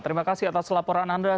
terima kasih atas laporan anda